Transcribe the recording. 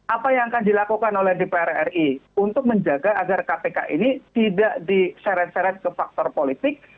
apa yang akan dilakukan oleh dpr ri untuk menjaga agar kpk ini tidak diseret seret ke faktor politik